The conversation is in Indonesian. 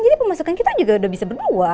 tapi pemasukan kita juga udah bisa berdua